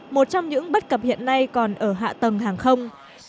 một trong những bất cập hiện nay còn ở hạ tầng hàng không